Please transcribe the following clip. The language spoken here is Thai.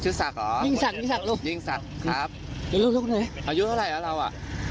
ชื่อสัมจิงสักสักลูกครับลูกไหนวัตตัววัตตาหรอเราะ